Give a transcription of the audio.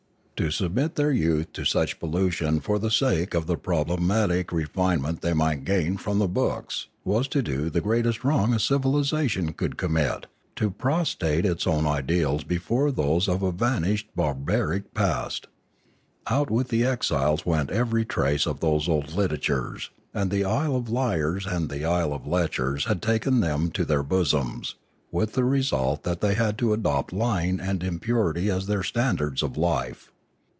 To submit their youth to such pollution for the sake of the problematic refinement they might gain from the books was to do the greatest wrong a civilisation could commit, to pro strate its own ideals before those of a vanished and bar baric past. Out with the exiles went every trace of those old literatures; and the isle of liars and the isle of lechers had taken them to their bosoms, with the result that they had to adopt lying and impurity as their standards of life.